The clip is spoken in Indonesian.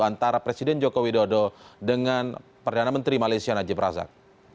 antara presiden joko widodo dengan perdana menteri malaysia najib razak